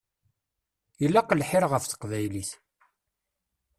Ilaq lḥir ɣef teqbaylit.